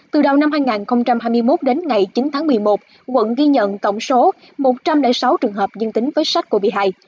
từ đầu năm hai nghìn hai mươi một đến ngày chín tháng một mươi một quận ghi nhận tổng số một trăm linh sáu trường hợp dân tính với sách covid một mươi chín